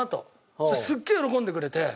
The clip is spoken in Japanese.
そしたらすっげえ喜んでくれて。